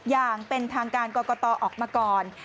อย่างเป็นทางการกรกตออกมาก่อน